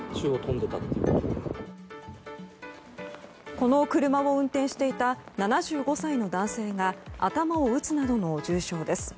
この車を運転していた７５歳の男性が頭を打つなどの重傷です。